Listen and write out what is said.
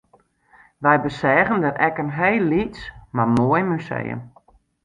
Wy beseagen dêr ek in hiel lyts mar moai museum